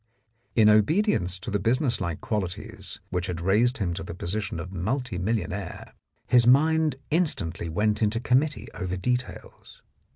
In obedience to the business like qualities which had raised him to the position of multi millionaire his mind instantly went into committee over details.